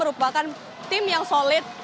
merupakan tim yang sulit